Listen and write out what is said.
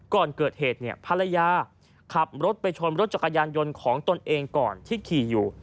ก่อนเกิดเหตุเนี่ยภรรยาขับรถไปชนรถจักรยานยนต์ของตนเองก่อนที่ขี่อยู่